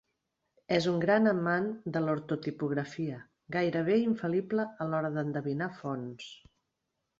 És un gran amant de l'ortotipografia, gairebé infal·lible a l'hora d'endevinar fonts.